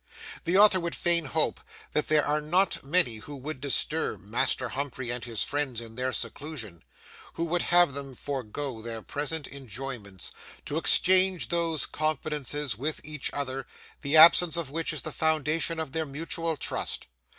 The Author would fain hope that there are not many who would disturb Master Humphrey and his friends in their seclusion; who would have them forego their present enjoyments, to exchange those confidences with each other, the absence of which is the foundation of their mutual trust.